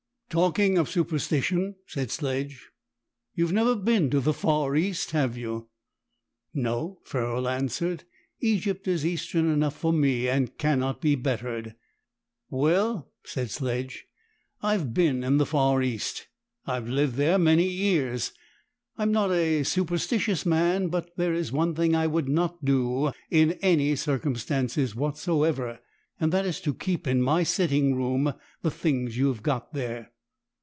"Talking of superstition," said Sledge, "you have never been to the Far East, have you?" "No," Ferrol answered, "Egypt is Eastern enough for me, and cannot be bettered." "Well," said Sledge, "I have been in the Far East. I have lived there many years. I am not a superstitious man; but there is one thing I would not do in any circumstances whatsoever, and that is to keep in my sitting room the things you have got there."